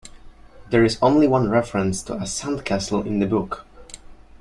There is only one reference to a 'sandcastle' in the book.